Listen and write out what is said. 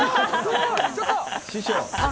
師匠。